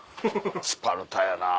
スパルタやなぁ。